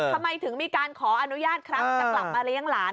ทำไมถึงมีการขออนุญาตครับจะกลับมาเลี้ยงหลาน